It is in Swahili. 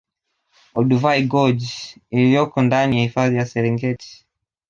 Olduvai Gorge lililoko ndani ya hifadhi ya Serengeti